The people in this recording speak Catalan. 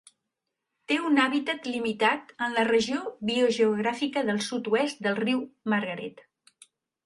Té un hàbitat limitat en la regió biogeogràfica del sud-oest del riu Margaret.